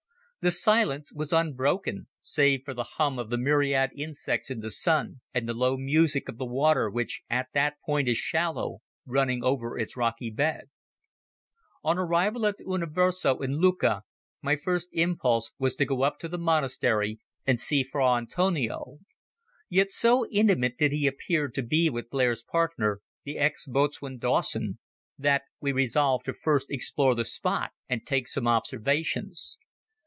The silence was unbroken, save for the hum of the myriad insects in the sun, and the low music of the water which at that point is shallow, running over its rocky bed. On arrival at the Universo in Lucca, my first impulse was to go up to the monastery and see Fra Antonio. Yet so intimate did he appear to be with Blair's partner, the ex boatswain Dawson, that we resolved to first explore the spot and take some observations.